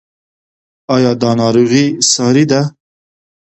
ایا دا ناروغي ساری ده؟